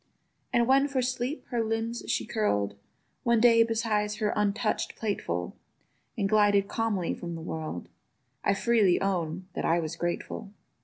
And when for sleep her limbs she curl'd One day beside her untouch'd plateful, And glided calmly from the world, I freely own that I was grateful.